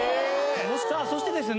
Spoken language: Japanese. さあそしてですね